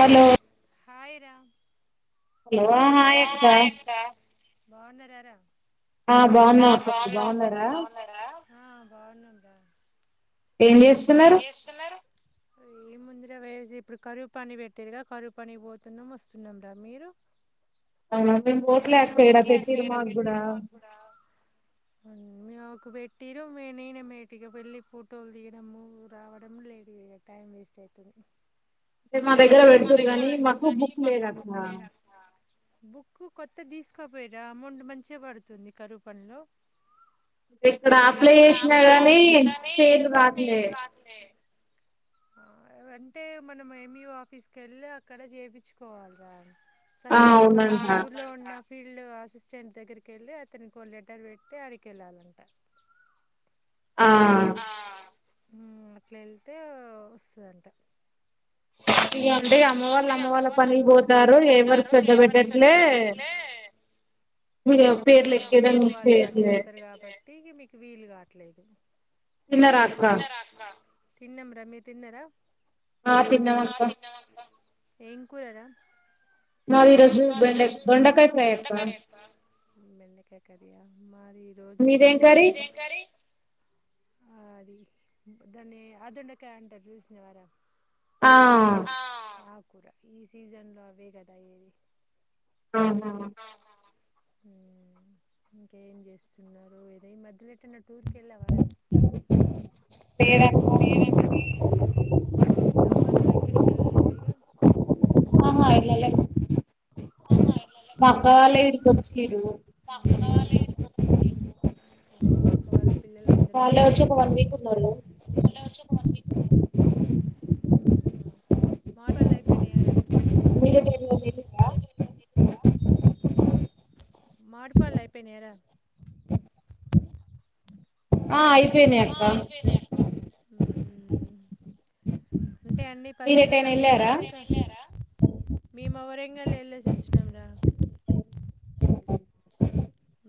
Hello hi రా hello ఆ హాయక్క బావున్నరరా ఆ బావున్నం అక్క [unintelligible] మీరు బావున్నరా ఆ బావున్నం అ ఏం జేస్తున్నరు ఏముందిర వేజి ఇప్పుడు కరువు పని బెట్టిరుగా కరువు పని పోతున్నం వస్తున్నంరా మీరు అవునా మోమ్ బోట్లే అక్కీడ పెట్టీరు మాగ్గుడా మ్మ్ మాకు బెట్టిరూ మే నేనే మేటిగ వెళ్ళి ఫోటోల్ తీ నము రావడం లేటు [unintelligible] టైం వేస్టైతుంది టే మా దగ్గర పెడుతూరు గనీ మాకూ బుక్కు లేదక్కా బుక్కు కొత్త దీసుకోపోయిరా అమౌంట్ మంచిగ పడుతుంది కరువు పనిలో ఇక్కడ అప్లై జేషినా గనీ పేర్లు రా పేర్లు రాట్లే అంటే మనము ఎం. ఈ. వో ఆఫీస్కెళ్ళి అక్కడ చేపించుకోవాల్ రా ఫస్టూ మన ఊర్లో ఉన్న ఫీల్డ్ అసిస్టెంట్ దగ్గరికెళ్ళి అతనికో లెటర్ పెట్టి అడికెళ్ళాలంట ఆ ఊ అట్లెళ్తే వస్తదంట ఇగంటే అమ్మ వాళ్ళమ్మ వాళ్ళ పని బోతారు ఇగెవ్వరు శ్రద్ధ పెట్టట్లే మా అమ్మ వాళ్లు అటెళ్తరు గాబట్టీగ మీకు వీలు గా ట్లేదు తిన్నారా అక్క తిన్నం రా మీరు తిన్నరా ఆ తిన్నవక్క ఏం కూర రా మాది ఈ రోజు బెండ దొండకాయ ఫ్రై అక్కా మీది ఏం కర్రీ ఆది దాన్ని ఆ దొండకాయ్ అంటారు చూసినావా రా కూర ఈ సీజన్లో అవే కదా అయ్యేది అవునా ఇంకేం చేస్తున్నారు ఏదో ఈ మధ్యలో ఎటో టూర్ కెళ్ళావా రా సమ్మర్ లో ఎక్కడికీ ఎళ్ళలేదు ఇగ ఆహా ఎళ్ళలే మా అక్క వాళ్ళే ఈడికొచ్చిర్రు అక్క వాళ్ళ పిల్లలు అందరూ వచ్చి ఇంటి దగ్గరనే [inaudible] వాళ్ళే వచ్చి ఒక వన్ వీక్ ఉన్నారు మావిడికాయలు అయిపోయినాయా రా గా మామిడిపండ్లు అయిపోయినియా రా ఆ అయిపోయినయి అక్క అంటే అన్నీ పచ్చిలెక్క అమ్మిర్రా లేక మీమా వరంగల్ ఎళ్ళేసి వచ్చినం రా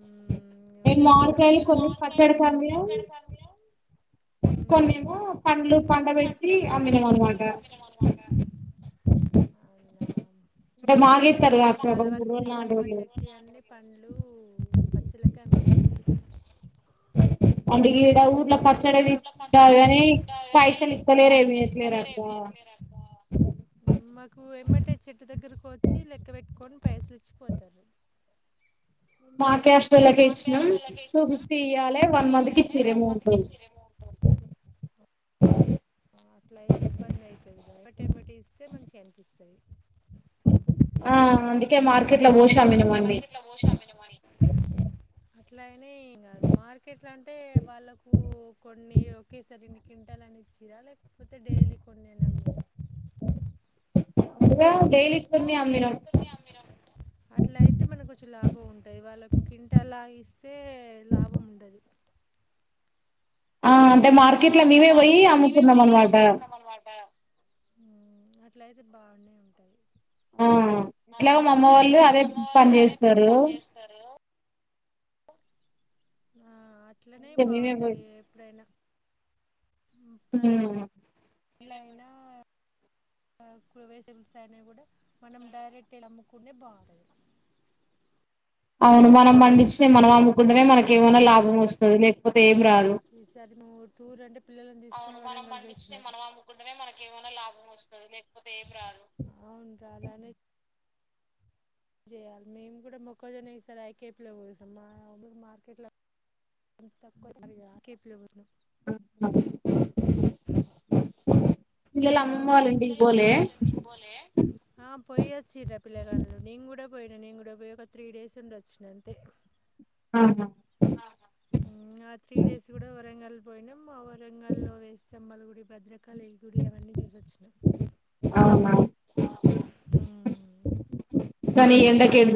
ఉమ్ నేను మామిడికాయలు కొన్ని పచ్చడి కన్ని కొన్నేమో పండ్లు పండబెట్టి అమ్మినం అనమాట అవునా మాయి కూడా చాలా వరకు మేము మా చెట్టియి అన్నీ పండ్లు పచ్చిలెక్కే అమ్మినం అంటే గీడ ఊర్లో పచ్చడ తీసుకుంటారు గానీ పైసలు ఇత్తలేరు ఏం ఇయ్యట్లేరు అక్క ఊ మాకు ఎమ్మటే చెట్టు దగ్గర కొచ్చి లెక్క పెట్టుకొని పైసలిచ్చి పోతారు మా క్యాస్టోళ్ళకే ఇచ్చినం టూ ఫిఫ్టీ ఇయ్యాలె వ తీయాలి వన్ మంత్ క ఇచ్చిరే మూంది ఆ అట్ల అయితే ఇబ్బంది ఐతది కాదా ఎమ్మటి ఎమ్మటి ఇస్తే మంచిగ అన్పిస్తది అందుకే మార్కెట్ లో పోషి అమ్మినం అన్నీ అట్లా అయినే ఏం గాదు మార్కెట్లో అంటే వాళ్ళకు కొన్ని ఒకేసారి ఇన్ని కింటాల నిచ్చిర్రా లేకపోతే డైలీ కొన్ని అని అమ్మిర్రా అట్లా అయితే మనకు చు లాభం ఉంటది వాళ్ళకు కింటాలా ఇస్తే లాభం ఉండది ఆ అంటే మార్కెట్ లో మేమే పోయి అమ్ముకున్నాం అనమాట ఊ అట్లయితే బానే ఉంటది ఊ ఎట్లాగో మా అమ్మ వాళ్ళు అదే పని చేస్తారు ఆ అట్లనే బావుంటది ఎప్పుడైనా [unintelligible] ఇలైనా [inaudible] వెజిటబుల్స్ ఐనా కూడా మనం డైరెక్ట్ ఎల్లి అమ్ముకుంటే బావుంటది అవును మనం పండిచ్చి మనం అమ్ముకుంటేనే మనకు ఏమైనా లాభం వస్తది లేకపోతే ఏ ఈసారి నువ్వు టూర్ అంటే పిల్లలని తీ అవును మనం పండిచినయి మనం అమ్ముకుంటేనే మనకి ఏమనా లాభం వస్తాది లేకపోతే ఏం రాదు అలానే చేయాలి మేము కూడా మొక్కజొనే ఇస్తారి ఐకేప్లో కోసాం మా మార్కెట్లో ఎంత తక్కువ [unintelligible] అ హలో పిల్లలు అమ్మమ్మ వాళ్ళ ఇంటికి పోలే ఆ పొయ్యి వచ్చిండ్రే పిల్లగాళ్ళు కూడా పోయినా నేను కూడా పోయి ఒక త్రీ డేస్ ఉండి వచ్చినా అంతే ఆహా ఆహా ఉమ్మ్ ఆ త్రీ డేస్ కూడా వరంగల్ పోయినాం ఆ వరంగల్ల్లో వేస్తమ్మలగుడి భద్ర కాలి గుడి అవన్నీ చూసోచ్చినాం ఉమ్మ్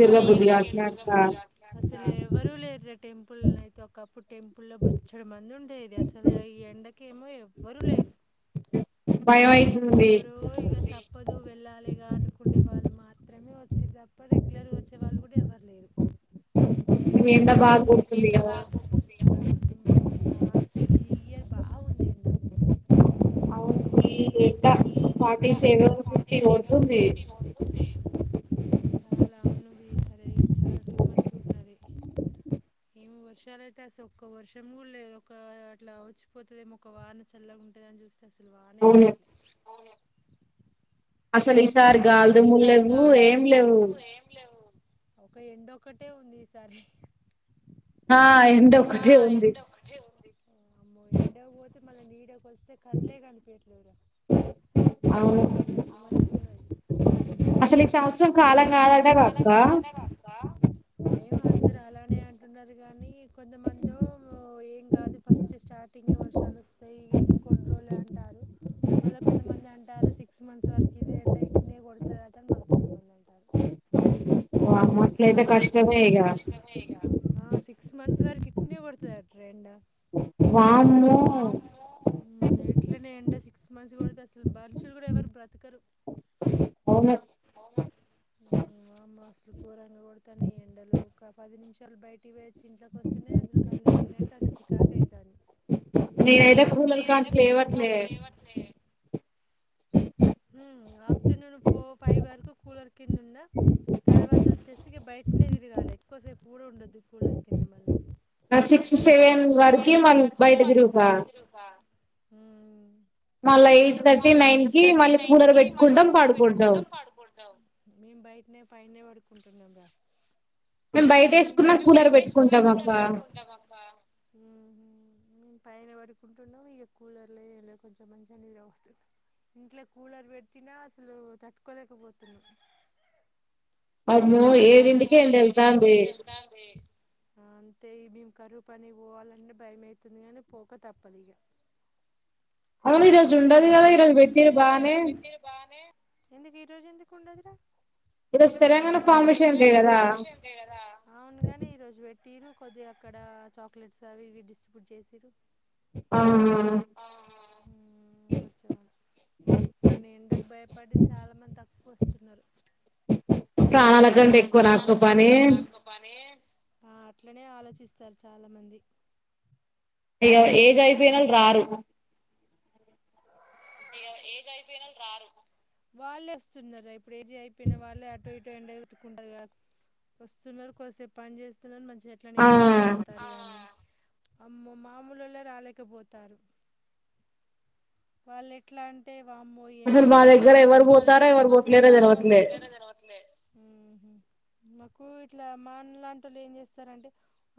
కానీ ఎండకి ఎటు తిరగబుద్ధి కావట్ల అసలు ఎవరు లేరే టెంపుల్లో అయితే ఒకప్పుడు టెంపుల్లో బొచ్చడి మంది ఉండేది అసలు ఈ ఎండకి ఏమో ఎవ్వరూ లే చెరు భయమైతుంది నువ్ వెళ్ళాలిగా అనుకునే వాళ్ళు మాత్రమే వచ్చిరు తప్ప రెగ్యులర్గా వచ్చే వాళ్ళు కూడా ఎవ్వరు లేరు ఎండ బాగా కొడుతుంది కదా ఉమ్మ్ చా సయ్యర్ బా బాగుంది ఎండ ఈ ఎండ ఫార్టీ సెవెన్ ఫిఫ్టీ కొడుతుంది చాలా వున్నవి ఈసారే చాలా టూ మచ్చ్గా ఉన్నది ఏమో వర్షాలయితే అసలు ఒక్క వర్షం కూడా లేదు ఒక అట్లా వచ్చిపోతదేమో ఒక వాన చల్లగ ఉంటదని చూస్తే అసలు వానే రాట్లే అసలు ఈసారి గాలిదమ్ములు లేవు ఏం లేవు ఒక ఎండొక్కటే ఉంది ఈసారి ఆ ఎండ ఒకటే ఉంది అమ్మో ఎండకి పోతే మళ్ళీ నీడ కోస్తే కన్లే కనిపియట్లేదురా అంతా టూ మచ్‌గా ఉన్నది అసలు ఈ సంవత్సరం కాలం కాదటే కాదురా ఏమో అందరూ అలనే అంటున్నారు కానీ కొంతమందో ఏం కాదు ఫస్ట్ స్టార్టింగే వర్షాలు వస్తాయి కొని రోజులే అంటారు మళ్ళా కొంతమంది అంటారు సిక్స్ మంత్స్ వరకు ఇదే ఎండ ఇట్నే కొడుతదట మళ్ళ కొంతమంది అంటారు వామ్మో అట్లయితే కష్టమే ఇగా మంత్స్ వరకి ఇట్నే కొడతాదటరా ఎండా వామ్మో ఉమ్మ్ ఇట్లనే ఎండ సిక్స్ మంత్స్ కొడితే అసలు మనుషులు కూడా ఎవరు బ్రతకరు అవున ఉమ్మ్ వామ్మో అసలు ఘోరంగా కొడతానయ్ ఎండలు ఒక పది నిమిషాలు బయటికి పొయో చి ఇంట్లోకి వస్తేనే అసలు కళ్ళు తిరిగినట్టు అంత చికాకు అయితంది నేనైతే కూలర్ కానుంచి లేవట్లే ఉమ్మ్ ఆఫ్టర్నూన్ ఫో ఫైవ్ వరకు కూలర్ కిందున్న తర్వాత వచ్చేసి ఇగ బయటనే తిరగాలి ఎక్కువసేపు కూడా ఉండొద్దు కూలర్ సిక్స్ సెవెన్ వరకి మళ బయట తిరుగుగా మళ్ళ ఎయిట్ థర్టీ నైన్ కి మళ్ళీ కూలర్ పెట్టుకుంటాం పడుకుంటాం నేను పైన్నే పడుకుంటున్నా మేము బయట వేసుకున్నాం కూలర్ పెట్టుకుం కులా కూలర్ పెట్టుకుంటాం అక్క మేము పైన పడుకుంటున్నాం ఇక కూలర్ లేదం లే కొంచెం మంచిగా అనేది అతుంది ఇంట్లో కూలర్ పెట్టినా అసలు తట్టుకోలేకపోతున్నాం ఆమ్మో ఏడింటికె ఎండ ఎల్తాంది అంతే ఈ మేము కరువు పని పోవాలంటే భయ గాని పోక తప్పదు ఇగ పొద్దు మమ్మీ ఈ రోజు ఉండదు కదా ఈ రోజు పెట్టేరు బానే ఎందుకు ఈ రోజు ఎందుకు ఉండదురా ఓహో ఈ రోజు తెలంగాణ ఫౌండేషన డే కద అవునుగాని ఈ రోజూ పెట్ టీరు కొద్దిగా అక్కడ చాక్లెట్స్ అవి ఇవి డిస్ట్రిబ్యూట్ చేసి ఆహ కొంచెం కానీ ఎండలకు భయపడి చాలా మంది తక్కువ వస్తున్నారు ప్రాణాల కంటే ఎక్కువనక్క పని ఆ అట్లనే ఆలోచిస్తారు చాలా మంది ఇగ ఏజ్ అయిపోయినోలు రారు ఈగ ఏజ్ అయిపోయినొలు రారు వాళ్ళే వస్తున్నారా ఇప్పుడు ఏజ్ అయిపోయినా వాళ్ళే అటో ఇటో ఎండల గుండ కలుగుత వస్తున్నారు కొద్సేపు పని చేస్తున్నారు మంచిగా అట్లా నీడ కూర్చుని వతారు ఆ అమ్మో మామూలులో రాలేకపోతారు వాళ్లు ఎట్లా అంటే వామ్మో ఎండకు భయపడి అసలు మా దగ్గర ఎవరు పోతారో ఎవరు పోట్లేదు తెలవట్లే మాకు ఇట్లా మా అనలాంటి వాళ్ళు ఏం చేస్తారంటే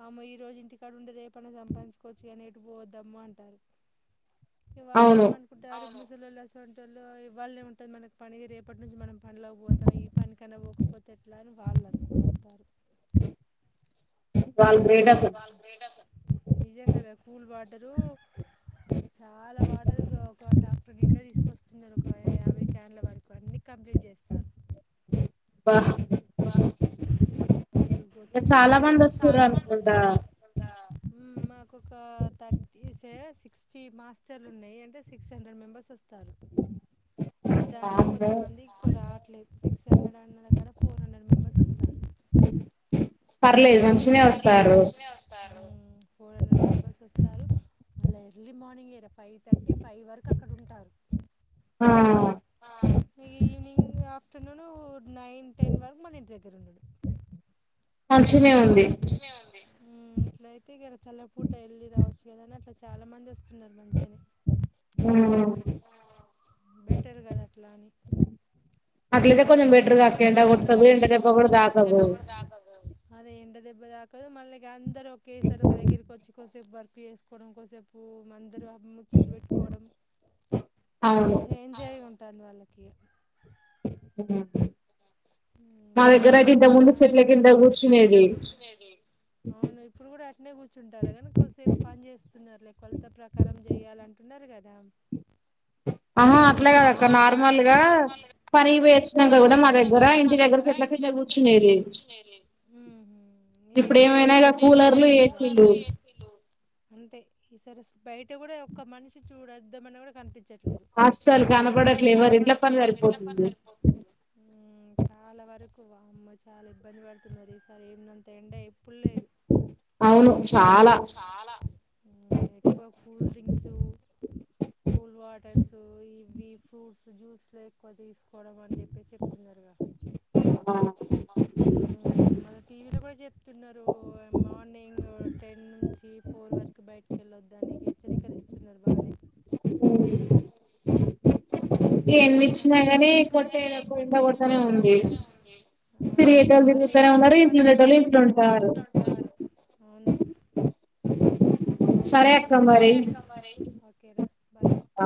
అమ్మో ఈ రోజు ఇంటికాడ ఉంటె రేపైనా సంపాది తెచ్చుకోవచ్చు గనే ఎటు పోతాం అంటరు అయితే వాళ్ళు ఏమ అవును ముసలోళ్ల సంటోళ్లు ఇవ్వాల్నే ఉంటది మనకి పని రేపటి నుంచి మనం పాన్లేకి పోతాం ఈ పని కన పో పోకపోతే ఎట్లా అని వాళ్ళు అనుకుంటరు వాళ్లు గ్రేట్ అసలు నిజంగనే కూల్ వాటరు చాలా వాటర్ ఒక టాక్టర్ నిండా తీసుకొస్తున్నారు ఒక యాభై క్యాన్ల వరకు అన్ని క బీట్ చేస్తారు వాహ్ అసలు టు టు మచ్ గా చాలా మంది వస్తురు అనుకుంటా మ్ నాకు ఒక థర్టీ సె సీష్టి మాస్టర్లు ఉన్నాయి అంటే సిక్స్ హండ్రెడ్ మెంబెర్స్ వస్తారు ఇగ దాంట్లో కొంతమంది రావట్లేదు సిక్స్ హండ్రెడ్ అన్న కాడ ఫోర్ హండ్రెడ్ మెంబెర్స్ వస్తారు పర్లేదు మంచిగనే వస్తారు ఫోర్ హండ్రెడ్ మెంబర్స్ వస్తారు మళ్ళీ ఎర్లీ మార్నింగ్ ఏరా ఫైవ్ థర్టీ ఫైవ్ వరకు అక్కడ ఉంటారు మ్ మ్ ఈవినింగ్ ఆఫ్టర్నూన్ నైన్ టెన్ వరకు మళ్ళీ ఇంటి దగ్గర ఉండడు మంచిగనే ఉంది మంచిగానే ఉంది ఇట్ల అయితే ఇగ చల్ల పూట వెళ్ళి రావచ్చు కదాని అట్లా చాలా మంది వస్తున్నారు మంచినె ఆ బెటర్ కదా అట్లా అని అట్లైతే ఇగ కొంచెం బెటర్గా అక్క ఎండగొట్టదు ఎండదెబ్బ గూడా దాకదు దెబ్బ దాకదు మళ్ళీ ఇగ అందరు ఒకేసారి ఒక దగ్గరకి వచ్చి కొసేపు వర్క్ చేసుకోవడం కొసేపు అందరు ముచ్చట్లు పెట్టుకోవడం కొంచెం ఎంజాయ్ ఉంటది వాళ్ళకి ఉమ్ ఉమ్ ఇగ పొద్దున ముందు చెట్ల కింద గూర్చునేది అవును ఇప్పుడు కూడా అట్నే కూర్చుంటారా కానీ కొద్దిసేపు పని చేస్త స్తున్నారు లే కొలత ప్రకారం జేయాలంటున్నారు గదా ఆహా అట్లాగాదక్క నార్మల్ గా పనికి పోయివచ్చినంక గూడా మా దగ్గర ఇంటి దగ్గర చెట్లకింద గూర్చునేది ఉమ్ హూ ఇంగ ఇప్పుడు గట్లా గూర్చునే ఛాన్స్లేదు అంతే ఈ సారి అసలు బయట గూడా ఒక్క మనిషి చూడొద్దాంమన్నా గూడా కనిపించట్లే అస్సల్ కనబడట్లే ఎవరు ఇంట్ల పని సరిపోతుంది చాలా వరకు వామ్మో చాలా ఇబ్బంది బడుతున్నారు ఈసారి ఉన్నంత ఎండ ఎ ప్పుల్ లేదు అవును చాలా ఉమ్ ఎక్కువ కూల్ డ్రింక్స్ కూల్ వా వాటర్స్ ఇవి ఫ్రూట్స్ జ్యూస్లు ఎక్కువ తీసుకోవడం అని చెప్పేసి చెప్తున్నారుగా ఆ ఉమ్ మళ్ళ టీవీలో కూడా చెప్తున్నారు మార్నింగ్ టెన్ నుంచి ఫోర్ వరకు బయటికెళ్ళ వద్దని హెచ్చరిక లిస్తున్నారు బానే ఉమ్ ఉమ్ సరే రా మరీ ఎన్నిచ్చినా గానీ కొట్టె ఎండ గొడ్తనే ఉంది టోల్ తిరుగుతనే ఉన్నారు ఇంట్లుండేటోల్లు ఇంట్ల ఉంటారు అవును సరే రా మరి సరే అక్కమరి ఓకే రా బై ఆ